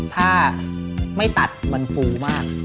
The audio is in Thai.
ถ้าไม่ตัดมันฟูมาก